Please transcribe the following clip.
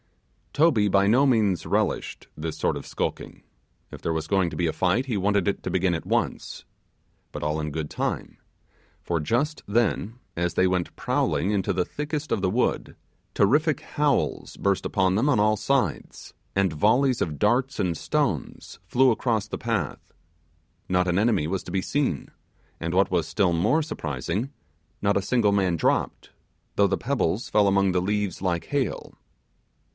Toby by no means relished this sort of skulking; if there was going to be a fight, he wanted it to begin at once. But all in good time, for just then, as they went prowling into the thickest of the wood, terrific howls burst upon them on all sides, and volleys of darts and stones flew across the path. Not an enemy was to be seen, and what was still more surprising, not a single man dropped, though the pebbles fell among the leaves like hail.